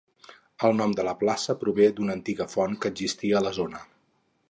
El nom de la plaça prové d'una antiga font que existia a la zona.